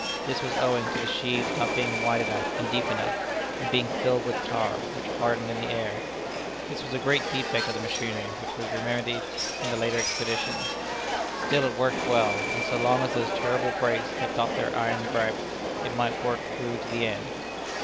This was owing to the sheaves not being wide enough and deep enough, and being filled with tar, which hardened in the air. This was a great defect of the machinery which was remedied in the later expeditions. Still it worked well, and so long as those terrible brakes kept off their iron gripe, it might work through to the end.